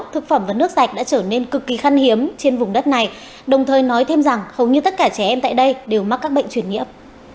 thực phẩm và nước sạch đã trở nên cực kỳ khăn hiếm trên vùng đất này đồng thời nói thêm rằng hầu như tất cả trẻ em tại đây đều mắc các bệnh truyền nhiễm